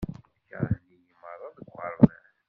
Kerhen-iyi merra deg uɣerbaz.